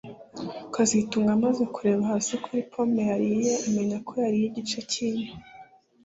kazitunga amaze kureba hasi kuri pome yariye amenya ko yariye igice cyinyo